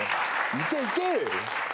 行け行け。